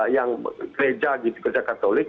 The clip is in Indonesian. yang gereja gitu gereja katolik